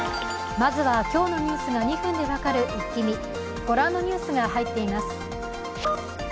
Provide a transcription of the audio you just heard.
まずは、今日のニュースが２分で分かるイッキ見、ご覧のニュースが入っています。